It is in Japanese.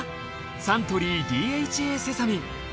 サントリーＤＨＡセサミン。